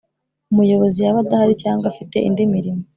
Umuyobozi yaba adahari cyangwa afite indi mirimo